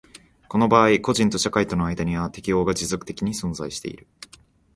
この場合個人と社会との間には適応が持続的に存在している。